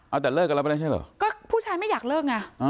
เอาแต่เลิกกันแล้วไปแล้วใช่เหรอก็ผู้ชายไม่อยากเลิกไง